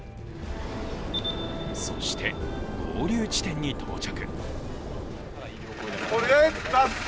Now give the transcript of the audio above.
そして、合流地点に到着。